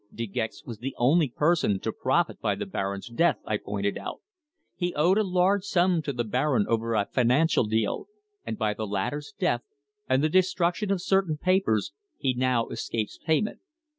"De Gex was the only person to profit by the Baron's death," I pointed out. "He owed a large sum to the Baron over a financial deal, and by the latter's death, and the destruction of certain papers, he now escapes payment."